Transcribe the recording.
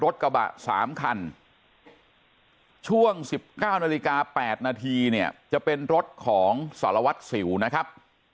รถกระบะ๓คันช่วง๑๙นาฬิกา๘นาทีเนี่ยจะเป็นรถของสารวัตรสิวนะครับ